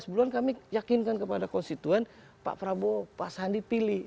dua belas bulan kami meyakinkan kepada konstituen pak prabowo pak sandi pilih